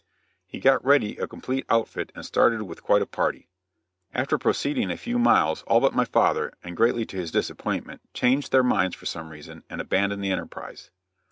He got ready a complete outfit and started with quite a party. After proceeding a few miles, all but my father, and greatly to his disappointment, changed their minds for some reason and abandoned the enterprise.